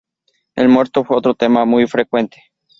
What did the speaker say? El muerto fue otro tema muy frecuente.